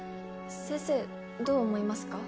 先生どう思いますか？